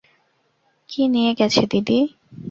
কী নিয়ে গেছে দিদি?